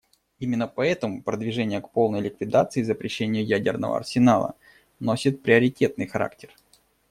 Именно поэтому продвижение к полной ликвидации и запрещению ядерного арсенала носит приоритетный характер.